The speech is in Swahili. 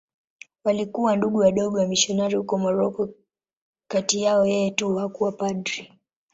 Walikuwa Ndugu Wadogo wamisionari huko Moroko.Kati yao yeye tu hakuwa padri.